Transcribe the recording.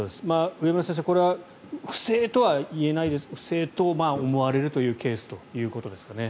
植村先生、これは不正とは不正と思われるケースということですかね？